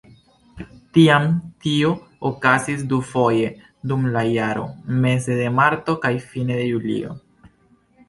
Tiam tio okazis dufoje dum la jaro: meze de marto kaj fine de julio.